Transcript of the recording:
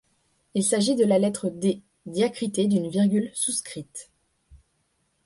Il s'agit de la lettre D diacritée d'une virgule souscrite.